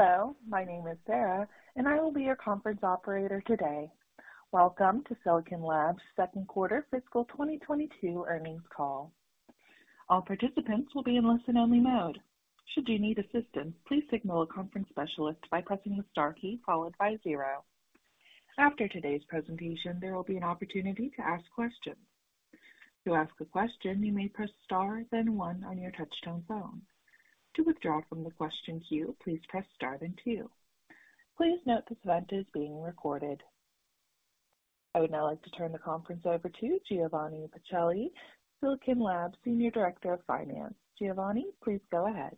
Hello, my name is Sarah, and I will be your conference operator today. Welcome to Silicon Labs second quarter fiscal 2022 earnings call. All participants will be in listen only mode. Should you need assistance, please signal a conference specialist by pressing the star key followed by zero. After today's presentation, there will be an opportunity to ask questions. To ask a question, you may press star then one on your touchtone phone. To withdraw from the question queue, please press star then two. Please note this event is being recorded. I would now like to turn the conference over to Giovanni Pacelli, Silicon Labs Senior Director of Finance. Giovanni, please go ahead.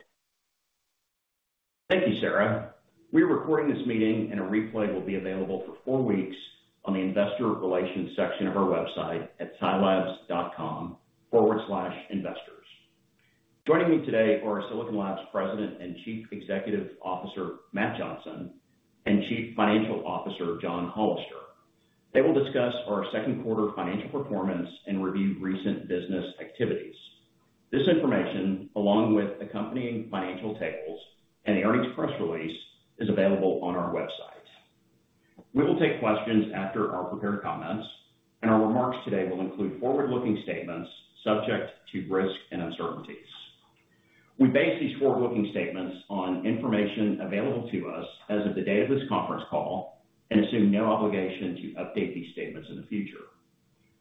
Thank you, Sarah. We are recording this meeting and a replay will be available for four weeks on the investor relations section of our website at silabs.com/investors. Joining me today are Silicon Labs President and Chief Executive Officer, Matt Johnson, and Chief Financial Officer, John Hollister. They will discuss our second quarter financial performance and review recent business activities. This information, along with accompanying financial tables and earnings press release, is available on our website. We will take questions after our prepared comments, and our remarks today will include forward-looking statements subject to risks and uncertainties. We base these forward-looking statements on information available to us as of the date of this conference call and assume no obligation to update these statements in the future.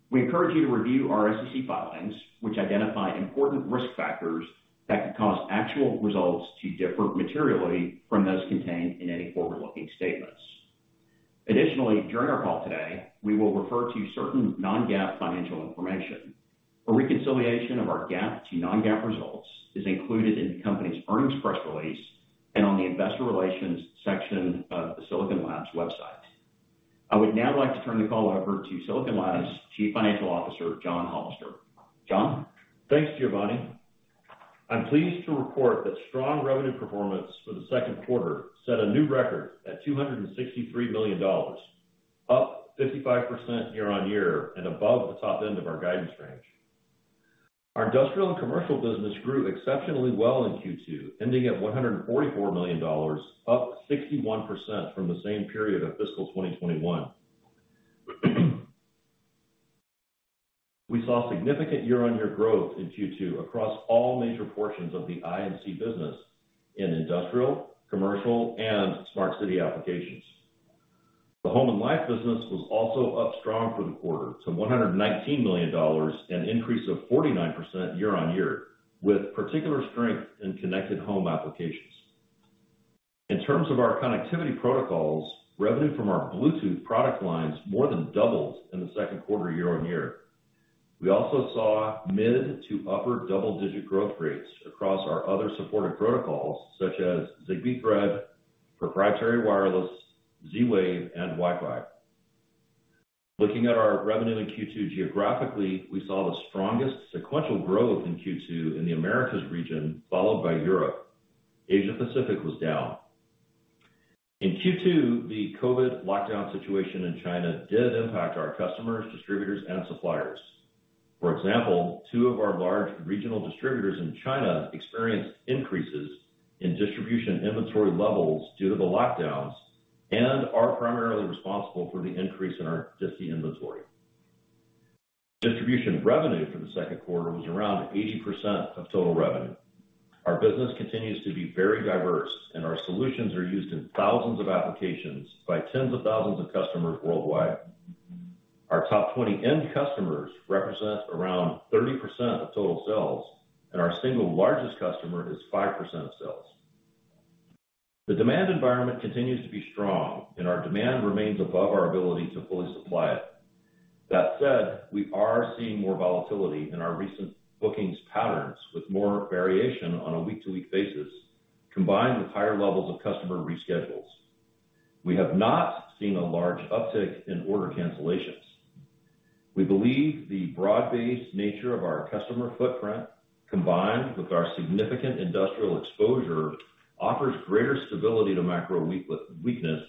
We encourage you to review our SEC filings, which identify important risk factors that could cause actual results to differ materially from those contained in any forward-looking statements. Additionally, during our call today, we will refer to certain non-GAAP financial information. A reconciliation of our GAAP to non-GAAP results is included in the company's earnings press release and on the investor relations section of the Silicon Labs website. I would now like to turn the call over to Silicon Labs Chief Financial Officer, John Hollister. John? Thanks, Giovanni. I'm pleased to report that strong revenue performance for the second quarter set a new record at $263 million, up 55% year-on-year and above the top end of our guidance range. Our industrial and commercial business grew exceptionally well in Q2, ending at $144 million, up 61% from the same period of fiscal 2021. We saw significant year-on-year growth in Q2 across all major portions of the I&C business in industrial, commercial, and smart city applications. The home and life business was also up strong for the quarter to $119 million, an increase of 49% year-on-year, with particular strength in connected home applications. In terms of our connectivity protocols, revenue from our Bluetooth product lines more than doubled in the second quarter year-on-year. We also saw mid- to upper double-digit growth rates across our other supported protocols, such as Zigbee, Thread, proprietary wireless, Z-Wave, and Wi-Fi. Looking at our revenue in Q2 geographically, we saw the strongest sequential growth in Q2 in the Americas region, followed by Europe. Asia Pacific was down. In Q2, the COVID lockdown situation in China did impact our customers, distributors, and suppliers. For example, two of our large regional distributors in China experienced increases in distribution inventory levels due to the lockdowns and are primarily responsible for the increase in our DSI inventory. Distribution revenue for the second quarter was around 80% of total revenue. Our business continues to be very diverse and our solutions are used in thousands of applications by tens of thousands of customers worldwide. Our top 20 end customers represent around 30% of total sales, and our single largest customer is 5% of sales. The demand environment continues to be strong and our demand remains above our ability to fully supply it. That said, we are seeing more volatility in our recent bookings patterns with more variation on a week-to-week basis, combined with higher levels of customer reschedules. We have not seen a large uptick in order cancellations. We believe the broad-based nature of our customer footprint, combined with our significant industrial exposure, offers greater stability to macro weakness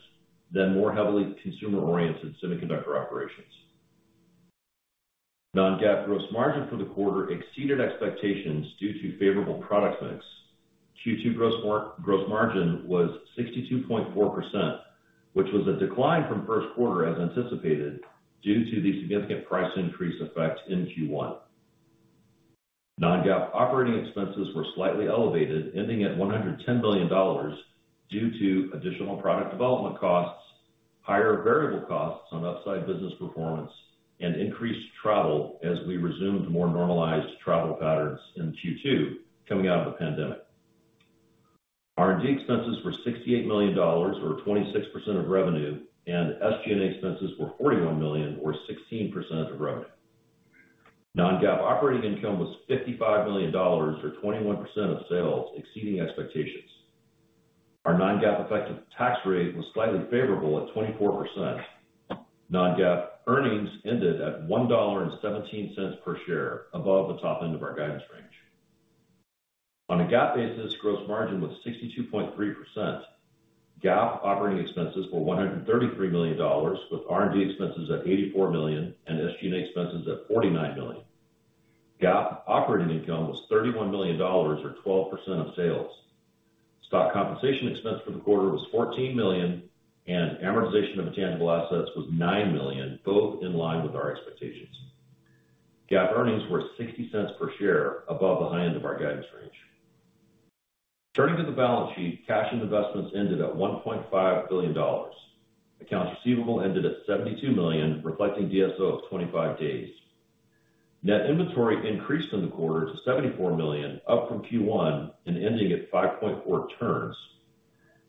than more heavily consumer-oriented semiconductor operations. Non-GAAP gross margin for the quarter exceeded expectations due to favorable product mix. Q2 gross margin was 62.4%, which was a decline from first quarter as anticipated, due to the significant price increase effect in Q1. Non-GAAP operating expenses were slightly elevated, ending at $110 million due to additional product development costs, higher variable costs on upside business performance, and increased travel as we resumed more normalized travel patterns in Q2 coming out of the pandemic. R&D expenses were $68 million or 26% of revenue, and SG&A expenses were $41 million or 16% of revenue. Non-GAAP operating income was $55 million or 21% of sales, exceeding expectations. Our non-GAAP effective tax rate was slightly favorable at 24%. Non-GAAP earnings ended at $1.17 per share above the top end of our guidance range. On a GAAP basis, gross margin was 62.3%. GAAP operating expenses were $133 million, with R&D expenses at $84 million and SG&A expenses at $49 million. GAAP operating income was $31 million or 12% of sales. Stock compensation expense for the quarter was $14 million, and amortization of intangible assets was $9 million, both in line with our expectations. GAAP earnings were $0.60 per share above the high end of our guidance range. Turning to the balance sheet, cash and investments ended at $1.5 billion. Accounts receivable ended at $72 million, reflecting DSO of 25 days. Net inventory increased in the quarter to $74 million, up from Q1 and ending at 5.4 turns.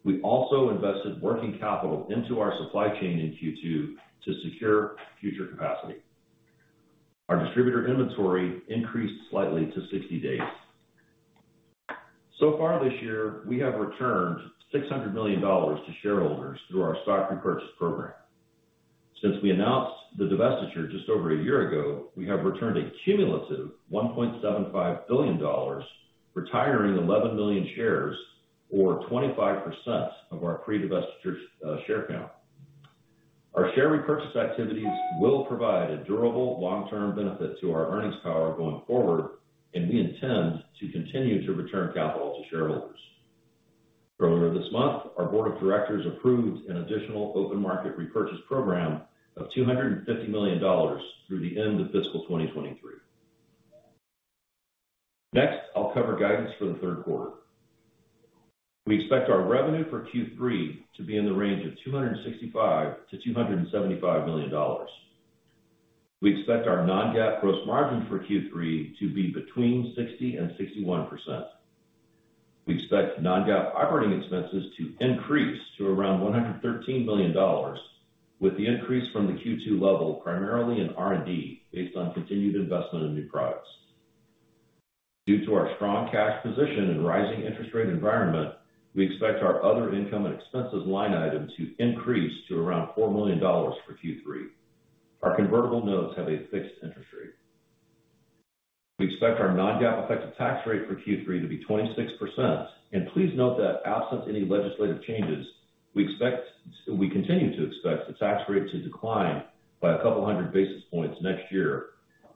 We also invested working capital into our supply chain in Q2 to secure future capacity. Our distributor inventory increased slightly to 60 days. So far this year, we have returned $600 million to shareholders through our stock repurchase program. Since we announced the divestiture just over a year ago, we have returned a cumulative $1.75 billion, retiring 11 million shares or 25% of our pre-divestiture share count. Our share repurchase activities will provide a durable long-term benefit to our earnings power going forward, and we intend to continue to return capital to shareholders. Earlier this month, our board of directors approved an additional open market repurchase program of $250 million through the end of fiscal 2023. Next, I'll cover guidance for the third quarter. We expect our revenue for Q3 to be in the range of $265 million-$275 million. We expect our non-GAAP gross margin for Q3 to be between 60% and 61%. We expect non-GAAP operating expenses to increase to around $113 million, with the increase from the Q2 level primarily in R&D based on continued investment in new products. Due to our strong cash position and rising interest rate environment, we expect our other income and expenses line item to increase to around $4 million for Q3. Our convertible notes have a fixed interest rate. We expect our non-GAAP effective tax rate for Q3 to be 26%, and please note that absent any legislative changes, we continue to expect the tax rate to decline by a couple hundred basis points next year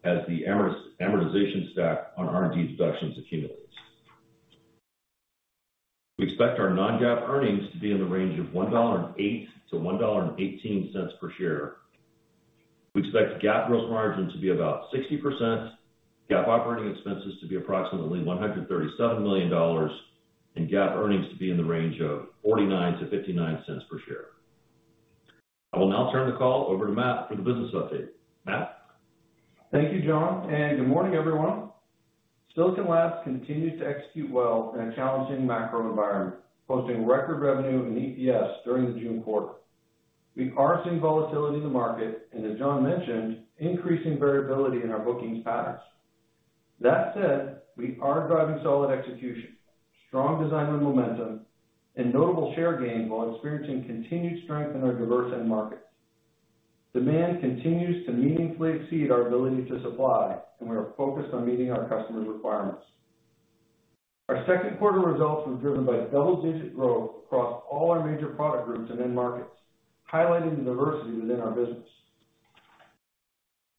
as the amortization stack on R&D deductions accumulates. We expect our non-GAAP earnings to be in the range of $1.08-$1.18 per share. We expect GAAP gross margin to be about 60%, GAAP operating expenses to be approximately $137 million, and GAAP earnings to be in the range of $0.49-$0.59 per share. I will now turn the call over to Matt for the business update. Matt? Thank you, John, and good morning, everyone. Silicon Labs continues to execute well in a challenging macro environment, posting record revenue and EPS during the June quarter. We are seeing volatility in the market and as John mentioned, increasing variability in our bookings patterns. That said, we are driving solid execution, strong design win momentum, and notable share gain while experiencing continued strength in our diverse end markets. Demand continues to meaningfully exceed our ability to supply, and we are focused on meeting our customers' requirements. Our second quarter results were driven by double-digit growth across all our major product groups and end markets, highlighting the diversity within our business.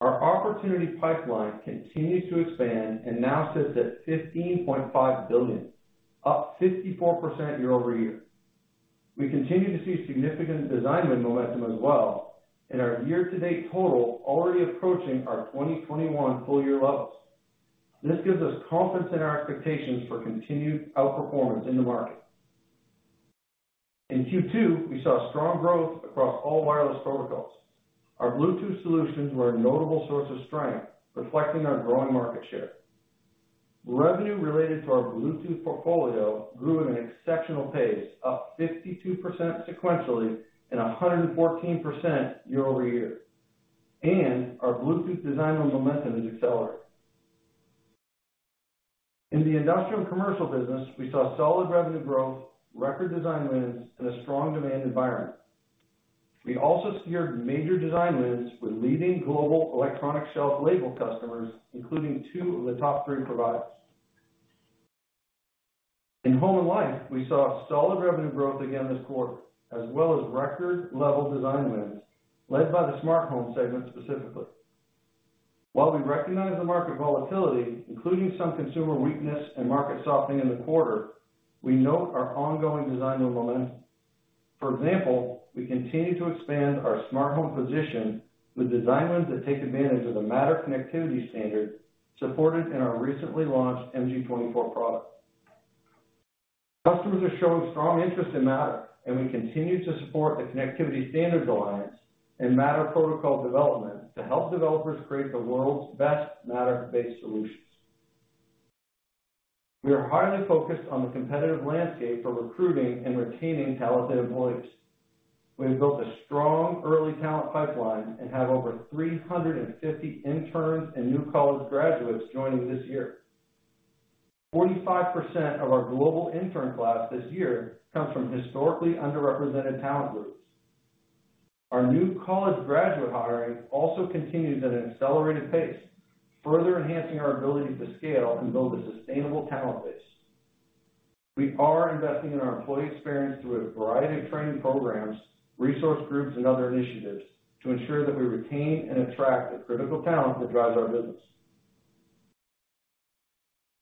Our opportunity pipeline continues to expand and now sits at $15.5 billion, up 54% year-over-year. We continue to see significant design win momentum as well in our year-to-date total already approaching our 2021 full year levels. This gives us confidence in our expectations for continued outperformance in the market. In Q2, we saw strong growth across all wireless protocols. Our Bluetooth solutions were a notable source of strength, reflecting our growing market share. Revenue related to our Bluetooth portfolio grew at an exceptional pace, up 52% sequentially and 114% year-over-year. Our Bluetooth design win momentum is accelerating. In the industrial commercial business, we saw solid revenue growth, record design wins in a strong demand environment. We also secured major design wins with leading global electronic shelf label customers, including two of the top three providers. In home and life, we saw solid revenue growth again this quarter, as well as record level design wins led by the smart home segment specifically. While we recognize the market volatility, including some consumer weakness and market softening in the quarter, we note our ongoing design win momentum. For example, we continue to expand our smart home position with design wins that take advantage of the Matter connectivity standard supported in our recently launched MG24 product. Customers are showing strong interest in Matter, and we continue to support the Connectivity Standards Alliance and Matter protocol development to help developers create the world's best Matter-based solutions. We are highly focused on the competitive landscape for recruiting and retaining talented employees. We have built a strong early talent pipeline and have over 350 interns and new college graduates joining this year. 45% of our global intern class this year comes from historically underrepresented talent groups. Our new college graduate hiring also continues at an accelerated pace, further enhancing our ability to scale and build a sustainable talent base. We are investing in our employee experience through a variety of training programs, resource groups, and other initiatives to ensure that we retain and attract the critical talent that drives our business.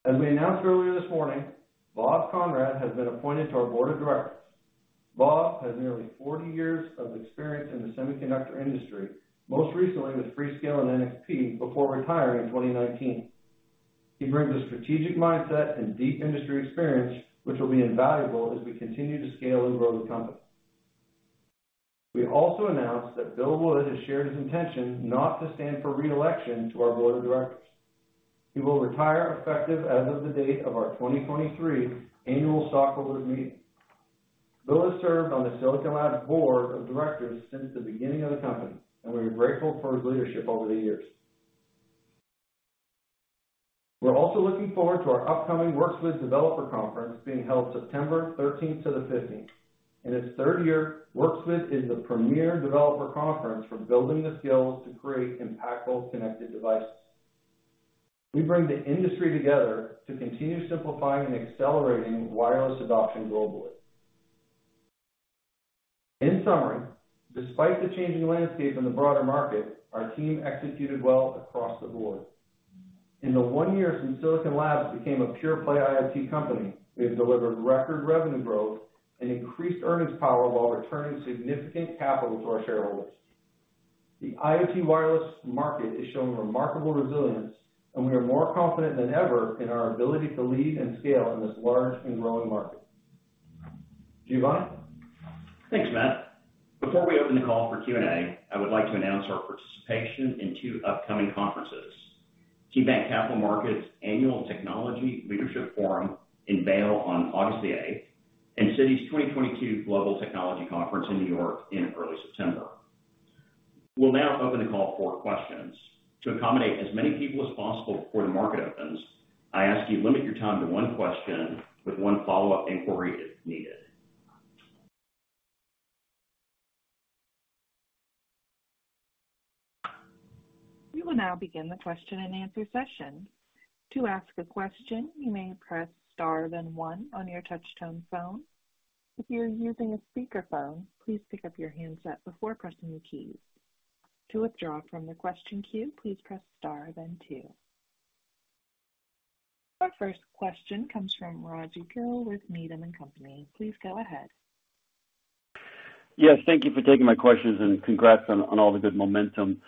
As we announced earlier this morning, Rob Conrad has been appointed to our board of directors. Rob has nearly 40 years of experience in the semiconductor industry, most recently with Freescale and NXP, before retiring in 2019. He brings a strategic mindset and deep industry experience, which will be invaluable as we continue to scale and grow the company. We also announced that Bill Wood has shared his intention not to stand for re-election to our Board of Directors. He will retire effective as of the date of our 2023 annual stockholder meeting. Bill has served on the Silicon Labs board of directors since the beginning of the company, and we are grateful for his leadership over the years. We're also looking forward to our upcoming Works With developer conference being held September 13th to the 15th. In its third year, Works With is the premier developer conference for building the skills to create impactful connected devices. We bring the industry together to continue simplifying and accelerating wireless adoption globally. In summary, despite the changing landscape in the broader market, our team executed well across the board. In the one year since Silicon Labs became a pure-play IoT company, we have delivered record revenue growth and increased earnings power while returning significant capital to our shareholders. The IoT wireless market is showing remarkable resilience, and we are more confident than ever in our ability to lead and scale in this large and growing market. Giovanni. Thanks, Matt. Before we open the call for Q&A, I would like to announce our participation in two upcoming conferences, KeyBanc Capital Markets Annual Technology Leadership Forum in Vail on August 8, and Citi's 2022 Global Technology Conference in New York in early September. We'll now open the call for questions. To accommodate as many people as possible before the market opens, I ask you to limit your time to one question with one follow-up inquiry if needed. We will now begin the question-and-answer session. To ask a question, you may press star then one on your touchtone phone. If you are using a speakerphone, please pick up your handset before pressing the keys. To withdraw from the question queue, please press star then two. Our first question comes from Raji Gill with Needham & Company. Please go ahead. Yes, thank you for taking my questions, and congrats on all the good momentum.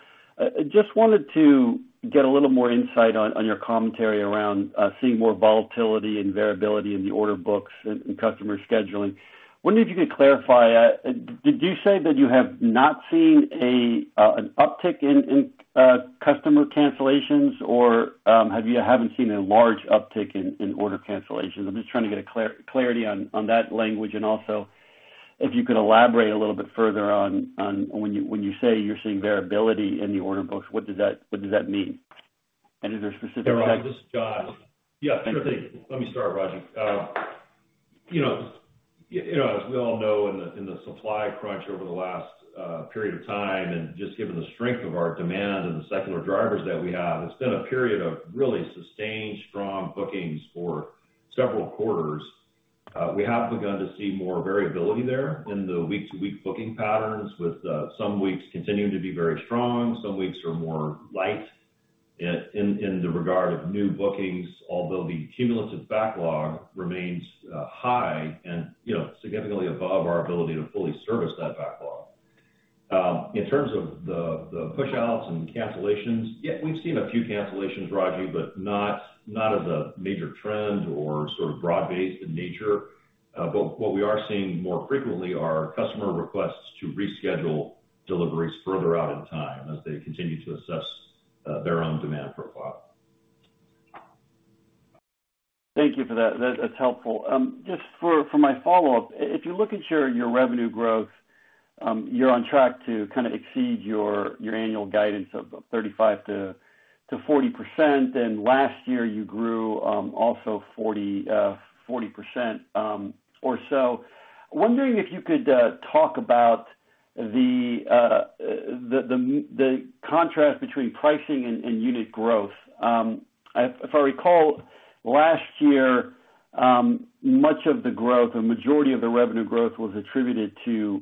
Just wanted to get a little more insight on your commentary around seeing more volatility and variability in the order books and customer scheduling. Wondering if you could clarify, did you say that you have not seen an uptick in customer cancellations? Or, haven't you seen a large uptick in order cancellations? I'm just trying to get a clarity on that language. If you could elaborate a little bit further on when you say you're seeing variability in the order books, what does that mean? Is there specific types Raji, this is John. Yeah, sure thing. Let me start, Raji. You know, you know, as we all know, in the supply crunch over the last period of time, and just given the strength of our demand and the secular drivers that we have, it's been a period of really sustained strong bookings for several quarters. We have begun to see more variability there in the week-to-week booking patterns with some weeks continuing to be very strong, some weeks are more light in the regard of new bookings, although the cumulative backlog remains high and, you know, significantly above our ability to fully service that backlog. In terms of the pushouts and cancellations, yeah, we've seen a few cancellations, Raji, but not as a major trend or sort of broad-based in nature. What we are seeing more frequently are customer requests to reschedule deliveries further out in time as they continue to assess their own demand profile. Thank you for that. That's helpful. Just for my follow-up, if you look at your revenue growth, you're on track to kind of exceed your annual guidance of 35%-40%, and last year you grew also 40% or so. Wondering if you could talk about the contrast between pricing and unit growth. If I recall, last year, much of the growth or majority of the revenue growth was attributed to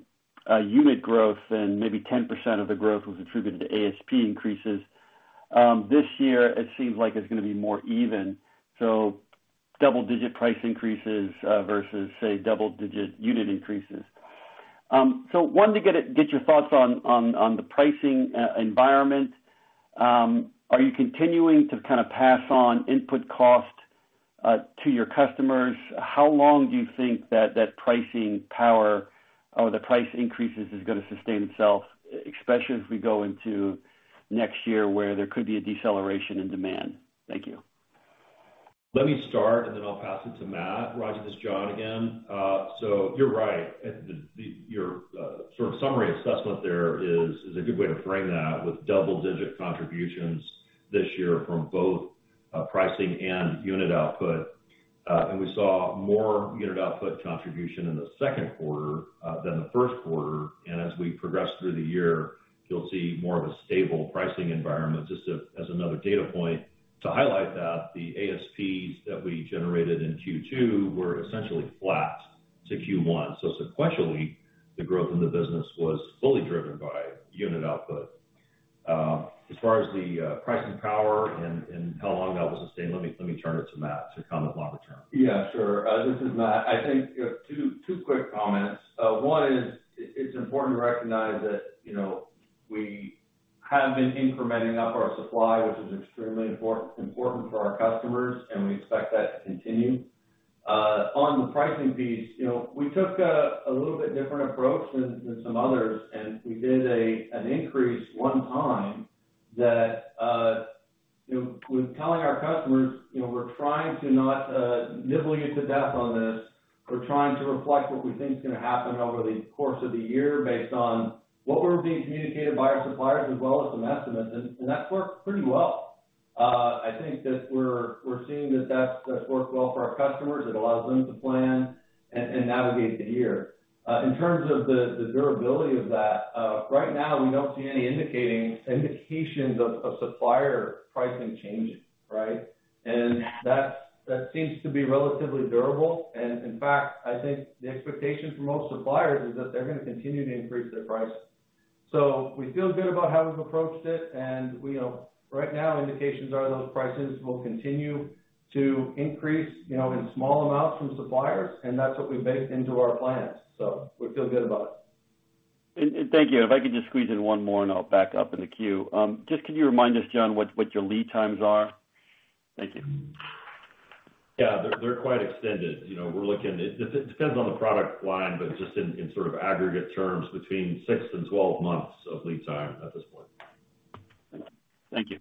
unit growth, and maybe 10% of the growth was attributed to ASP increases. This year it seems like it's gonna be more even, so double-digit price increases versus, say, double-digit unit increases. So wanted to get your thoughts on the pricing environment. Are you continuing to kind of pass on input cost to your customers? How long do you think that pricing power or the price increases is gonna sustain itself, especially as we go into next year, where there could be a deceleration in demand? Thank you. Let me start, and then I'll pass it to Matt. Raji, this is John again. You're right. Your sort of summary assessment there is a good way to frame that with double-digit contributions this year from both pricing and unit output. We saw more unit output contribution in the second quarter than the first quarter. As we progress through the year, you'll see more of a stable pricing environment. Just as another data point to highlight that, the ASPs that we generated in Q2 were essentially flat to Q1. Sequentially. The growth in the business was fully driven by unit output. As far as the pricing power and how long that will sustain, let me turn it to Matt to comment longer term. Yeah, sure. This is Matt. I think, you know, two quick comments. One is it's important to recognize that, you know, we have been incrementing up our supply, which is extremely important for our customers, and we expect that to continue. On the pricing piece, you know, we took a little bit different approach than some others, and we did an increase one time that, you know, we're telling our customers, you know, we're trying to not nibble you to death on this. We're trying to reflect what we think is gonna happen over the course of the year based on what we're being communicated by our suppliers as well as some estimates, and that's worked pretty well. I think that we're seeing that that's worked well for our customers. It allows them to plan and navigate the year. In terms of the durability of that, right now, we don't see any indications of supplier pricing changing, right? That seems to be relatively durable. In fact, I think the expectation for most suppliers is that they're gonna continue to increase their pricing. We feel good about how we've approached it, and we know right now indications are those prices will continue to increase, you know, in small amounts from suppliers, and that's what we've baked into our plans. We feel good about it. Thank you. If I could just squeeze in one more, and I'll back up in the queue. Just can you remind us, John, what your lead times are? Thank you. Yeah. They're quite extended. You know, it depends on the product line, but just in sort of aggregate terms, between six and 12 months of lead time at this point. Thank you.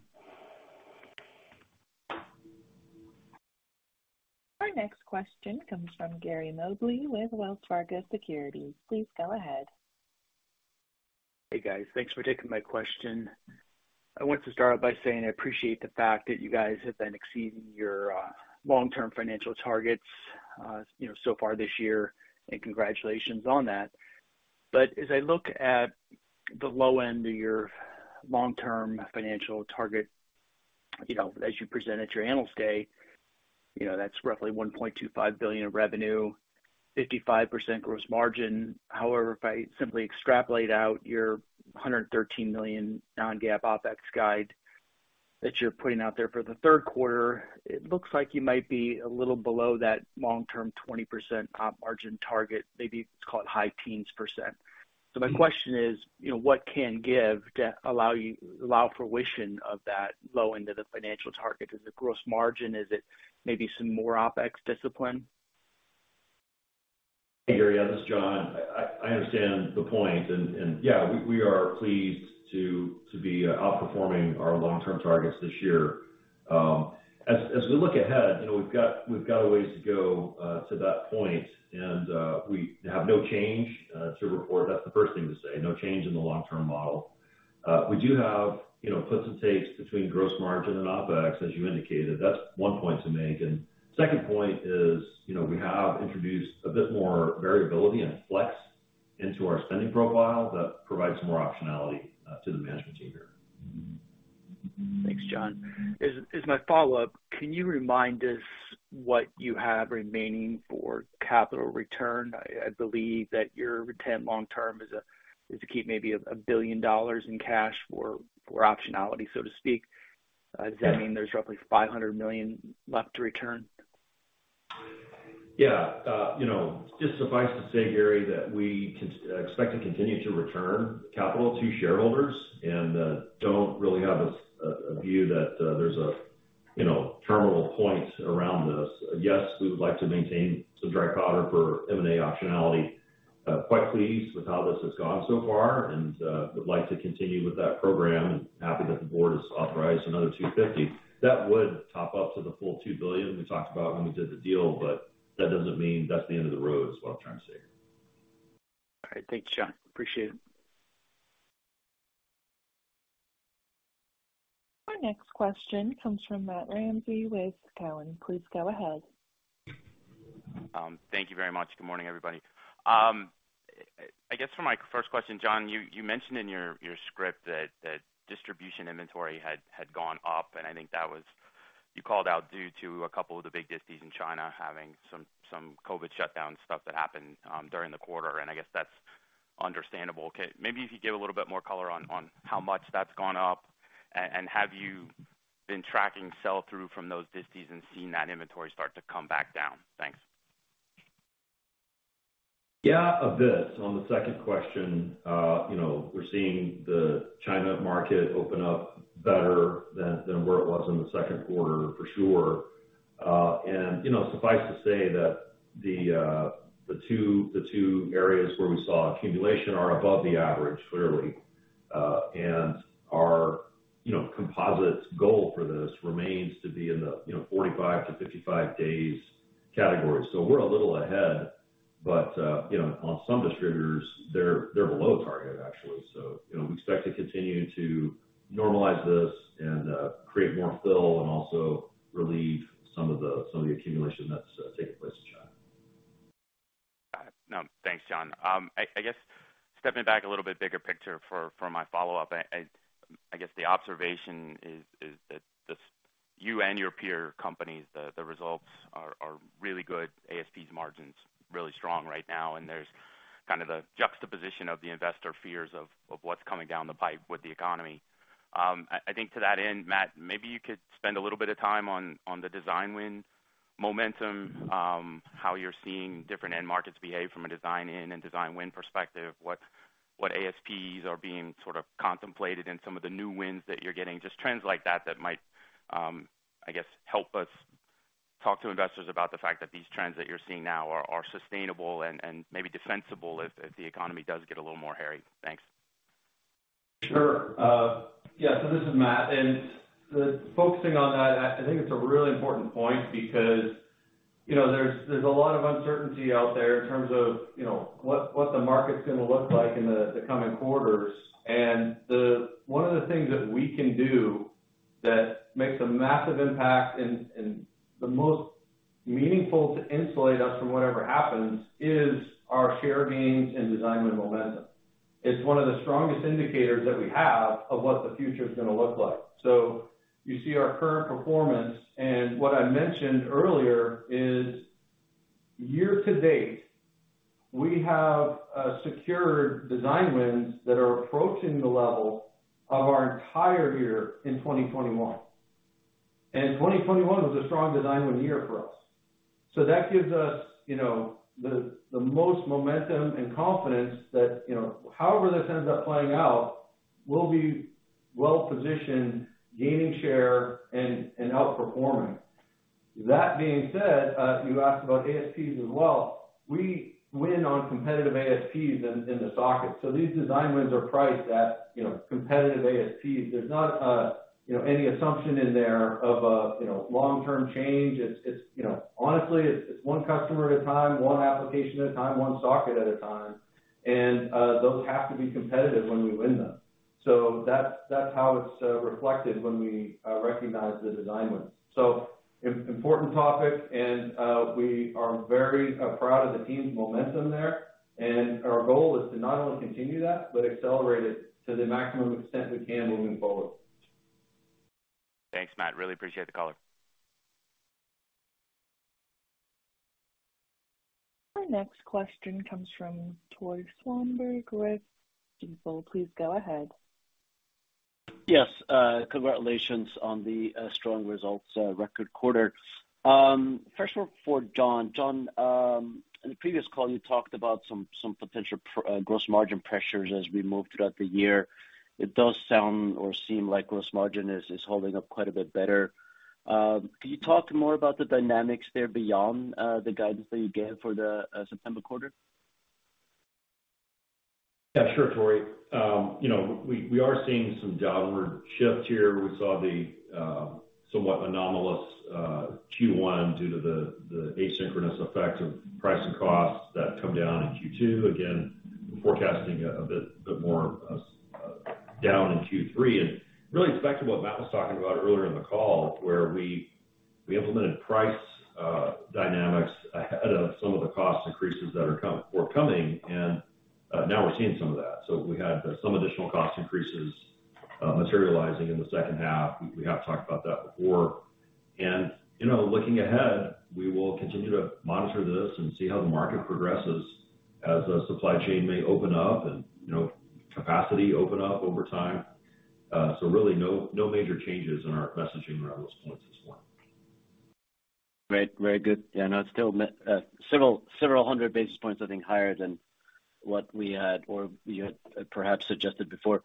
Our next question comes from Gary Mobley with Wells Fargo Securities. Please go ahead. Hey, guys. Thanks for taking my question. I want to start out by saying I appreciate the fact that you guys have been exceeding your long-term financial targets, you know, so far this year, and congratulations on that. As I look at the low end of your long-term financial target, you know, as you present at your Analyst Day, you know, that's roughly $1.25 billion revenue, 55% gross margin. However, if I simply extrapolate out your $113 million non-GAAP OpEx guide that you're putting out there for the third quarter, it looks like you might be a little below that long-term 20% op margin target, maybe call it high teens percent. My question is, you know, what can give to allow fruition of that low end of the financial target? Is it gross margin? Is it maybe some more OpEx discipline? Hey, Gary. This is John. I understand the point. Yeah, we are pleased to be outperforming our long-term targets this year. As we look ahead, you know, we've got a ways to go to that point and we have no change to report. That's the first thing to say. No change in the long-term model. We do have, you know, puts and takes between gross margin and OpEx, as you indicated. That's one point to make. Second point is, you know, we have introduced a bit more variability and flex into our spending profile that provides some more optionality to the management team here. Thanks, John. As my follow-up, can you remind us what you have remaining for capital return? I believe that your intent long term is to keep maybe $1 billion in cash for optionality, so to speak. Does that mean there's roughly $500 million left to return? Yeah. You know, just suffice to say, Gary, that we expect to continue to return capital to shareholders and don't really have a view that there's a you know terminal point around this. Yes, we would like to maintain some dry powder for M&A optionality. Quite pleased with how this has gone so far and would like to continue with that program and happy that the board has authorized another $250 million. That would top up to the full $2 billion we talked about when we did the deal, but that doesn't mean that's the end of the road is what I'm trying to say. All right. Thanks, John. Appreciate it. Our next question comes from Matt Ramsay with Cowen. Please go ahead. Thank you very much. Good morning, everybody. I guess for my first question, John, you mentioned in your script that distribution inventory had gone up, and I think that was you called out due to a couple of the big distis in China having some COVID shutdown stuff that happened during the quarter, and I guess that's understandable. Okay, maybe if you could give a little bit more color on how much that's gone up and have you been tracking sell-through from those distis and seen that inventory start to come back down? Thanks. Yeah, a bit. On the second question, you know, we're seeing the China market open up better than where it was in the second quarter for sure. And you know, suffice to say that the two areas where we saw accumulation are above the average, clearly. And our, you know, composite goal for this remains to be in the, you know, 45-55 days category. So we're a little ahead, but, you know, on some distributors, they're below target actually. So, you know, we expect to continue to normalize this and create more fill and also relieve some of the accumulation that's taking place in China. Got it. No, thanks, John. Stepping back a little bit bigger picture for my follow-up. I guess the observation is that this, you and your peer companies, the results are really good. ASP's margins really strong right now, and there's kind of the juxtaposition of the investor fears of what's coming down the pipe with the economy. I think to that end, Matt, maybe you could spend a little bit of time on the design win momentum, how you're seeing different end markets behave from a design in and design win perspective. What ASPs are being sort of contemplated in some of the new wins that you're getting. Just trends like that might, I guess, help us talk to investors about the fact that these trends that you're seeing now are sustainable and maybe defensible if the economy does get a little more hairy. Thanks. Sure. Yeah. This is Matt. Focusing on that, I think it's a really important point because, you know, there's a lot of uncertainty out there in terms of, you know, what the market's gonna look like in the coming quarters. One of the things that we can do that makes a massive impact and the most meaningful to insulate us from whatever happens is our share gains and design win momentum. It's one of the strongest indicators that we have of what the future's gonna look like. You see our current performance, and what I mentioned earlier is year to date, we have secured design wins that are approaching the level of our entire year in 2021. 2021 was a strong design win year for us. That gives us, you know, the most momentum and confidence that, you know, however this ends up playing out, we'll be well positioned, gaining share and outperforming. That being said, you asked about ASPs as well. We win on competitive ASPs in the socket. These design wins are priced at, you know, competitive ASPs. There's not, you know, any assumption in there of a, you know, long-term change. It's, you know, honestly it's one customer at a time, one application at a time, one socket at a time. Those have to be competitive when we win them. That's how it's reflected when we recognize the design wins. Important topic and we are very proud of the team's momentum there. Our goal is to not only continue that, but accelerate it to the maximum extent we can moving forward. Thanks, Matt, really appreciate the color. Our next question comes from Tore Svanberg with Stifel. Please go ahead. Yes, congratulations on the strong results, record quarter. First one for John. John, in the previous call you talked about some potential gross margin pressures as we move throughout the year. It does sound or seem like gross margin is holding up quite a bit better. Can you talk more about the dynamics there beyond the guidance that you gave for the September quarter? Yeah, sure, Tore. You know, we are seeing some downward shift here. We saw the somewhat anomalous Q1 due to the asynchronous effect of pricing costs that come down in Q2. Again, forecasting a bit more down in Q3, and really expecting what Matt was talking about earlier in the call, where we implemented price dynamics ahead of some of the cost increases that are forthcoming, and now we're seeing some of that. So we had some additional cost increases materializing in the second half. We have talked about that before. You know, looking ahead, we will continue to monitor this and see how the market progresses as the supply chain may open up and, you know, capacity open up over time. Really no major changes in our messaging around those points this morning. It's still several hundred basis points, I think, higher than what we had or you had perhaps suggested before.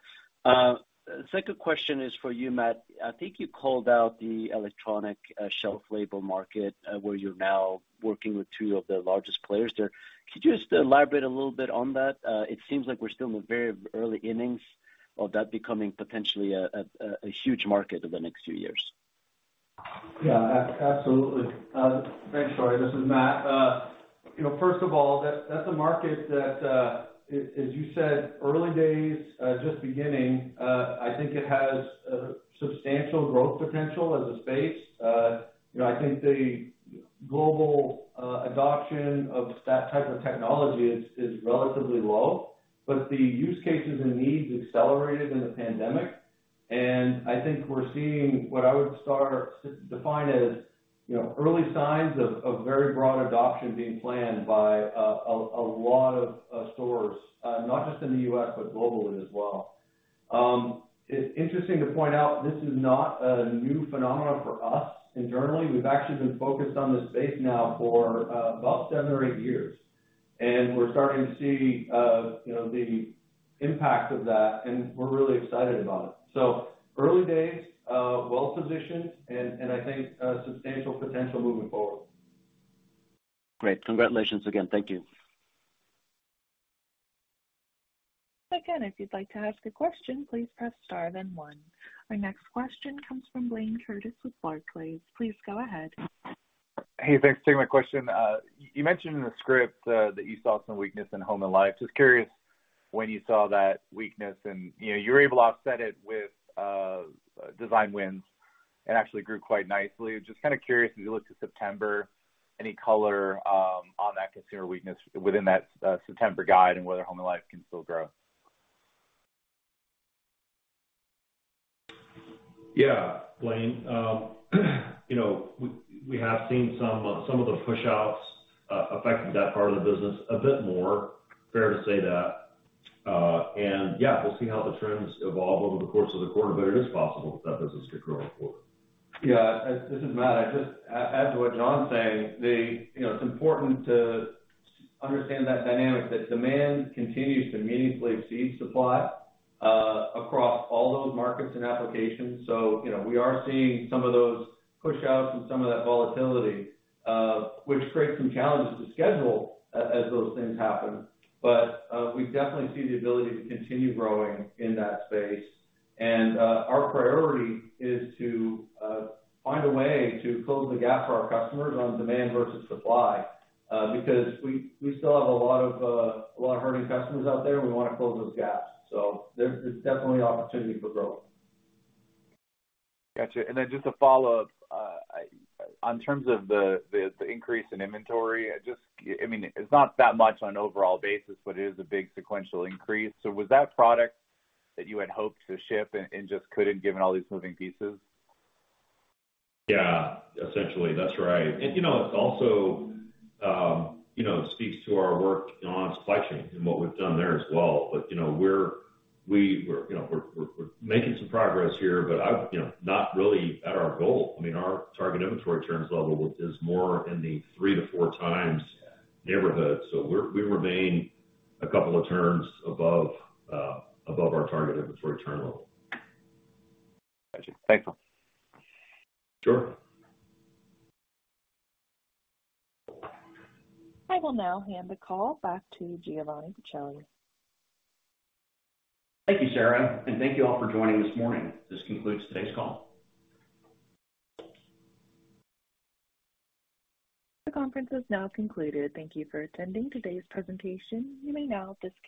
Second question is for you, Matt. I think you called out the electronic shelf label market, where you're now working with two of the largest players there. Could you just elaborate a little bit on that? It seems like we're still in the very early innings of that becoming potentially a huge market over the next few years. Yeah, absolutely. Thanks, Tore. This is Matt. You know, first of all, that's a market that, as you said, early days, just beginning. I think it has substantial growth potential as a space. You know, I think the global adoption of that type of technology is relatively low, but the use cases and needs accelerated in the pandemic. I think we're seeing what I would start to define as, you know, early signs of very broad adoption being planned by a lot of stores, not just in the U.S., but globally as well. It's interesting to point out this is not a new phenomenon for us internally. We've actually been focused on this space now for about seven or eight years, and we're starting to see you know the impact of that, and we're really excited about it. Early days, well positioned and I think substantial potential moving forward. Great. Congratulations again. Thank you. Again, if you'd like to ask a question, please press star then one. Our next question comes from Blayne Curtis with Barclays. Please go ahead. Hey, thanks for taking my question. You mentioned in the script that you saw some weakness in Home and Life. Just curious when you saw that weakness and, you know, you were able to offset it with design wins. Actually grew quite nicely. Just kind of curious, as you look to September, any color on that consumer weakness within that September guide and whether home and life can still grow? Yeah. Blayne, you know, we have seen some of the push-outs affecting that part of the business a bit more, fair to say that. Yeah, we'll see how the trends evolve over the course of the quarter, but it is possible that that business could grow forward. Yeah, this is Matt. As what John's saying, it's important to understand that dynamic, that demand continues to meaningfully exceed supply across all those markets and applications. You know, we are seeing some of those pushouts and some of that volatility, which creates some challenges to schedule as those things happen. We definitely see the ability to continue growing in that space. Our priority is to find a way to close the gap for our customers on demand versus supply, because we still have a lot of hurting customers out there, and we wanna close those gaps. There's definitely opportunity for growth. Gotcha. Just a follow-up. In terms of the increase in inventory, just, I mean, it's not that much on an overall basis, but it is a big sequential increase. Was that product that you had hoped to ship and just couldn't given all these moving pieces? Yeah, essentially. That's right. You know, it also speaks to our work on supply chain and what we've done there as well. You know, we're making some progress here, but not really at our goal. I mean, our target inventory turns level is more in the 3x-4x neighborhood. We remain a couple of turns above our target inventory turn level. Gotcha. Thank you. Sure. I will now hand the call back to Giovanni Pacelli. Thank you, Sarah, and thank you all for joining this morning. This concludes today's call. The conference has now concluded. Thank you for attending today's presentation. You may now disconnect.